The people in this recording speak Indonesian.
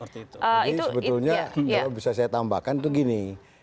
jadi sebetulnya bisa saya tambahkan itu gini